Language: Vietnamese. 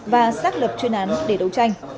và xác lập chuyên án để đấu tranh